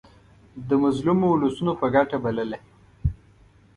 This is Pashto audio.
د مظلومو اولسونو په ګټه بلله.